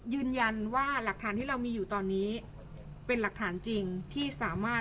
ยืนยันว่าหลักฐานที่เรามีอยู่ตอนนี้เป็นหลักฐานจริงที่สามารถ